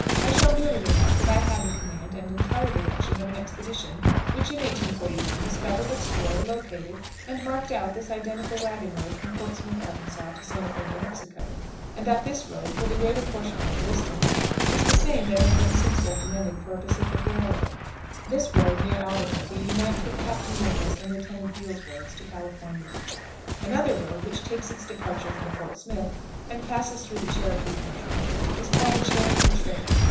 I shall merely remark that I had the command and entire direction of an expedition which in 1849 discovered, explored, located, and marked out this identical wagon road from Fort Smith, Arkansas, to Santa Fé, New Mexico, and that this road, for the greater portion of the distance, is the same that has been since recommended for a Pacific railway. This road, near Albuquerque, unites with Captain Whipple's and Lieutenant Beall's roads to California. Another road, which takes its departure from Fort Smith and passes through the Cherokee country, is called the "Cherokee Trail."